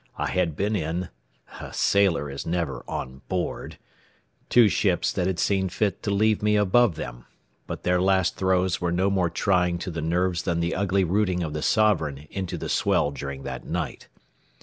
I had been in a sailor is never "on board" two ships that had seen fit to leave me above them, but their last throes were no more trying to the nerves than the ugly rooting of the Sovereign into the swell during that night.